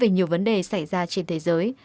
này xảy ra trên thế giới